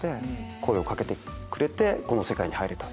声を掛けてくれてこの世界に入れた。